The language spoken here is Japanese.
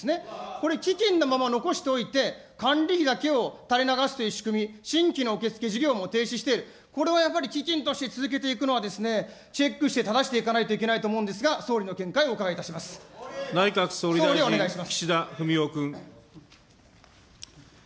これ、基金のまま残しておいて、管理費だけをたれ流すという仕組み、新規の受け付け事業も停止して、これはやっぱり基金として続けていくのは、チェックしてただしていかないといけないと思うんですが、総理の内閣総理大臣、岸田文雄君。